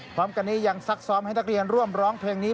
พร้อมกันนี้ยังซักซ้อมให้นักเรียนร่วมร้องเพลงนี้